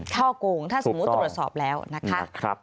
กงถ้าสมมุติตรวจสอบแล้วนะคะ